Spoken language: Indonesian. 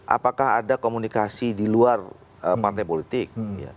apakah ada komunikasi di luar partai politik